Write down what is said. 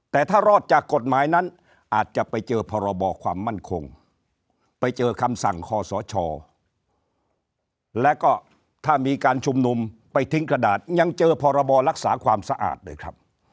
แต่ถ้ารอดจากกฎหมายนั้นอาจจะไปเจอพรบความมั่นคงไปเจอคำสั่งคอสชแล้วก็ถ้ามีการชุมนุมไปทิ้งกระดาษยังเจอพรบรักษาความสะอาดด้วยครับ